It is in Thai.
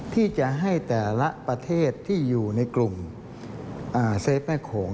ที่จะให้แต่ละประเทศที่อยู่ในกลุ่มเซฟแม่โขง